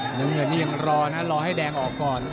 เหมือนเหมือนยังรอนะรอให้แดงออกก่อน